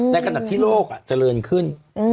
ในกระดับที่โลกอะเจริญขึ้น